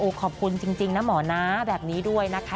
ขอบคุณจริงนะหมอนะแบบนี้ด้วยนะคะ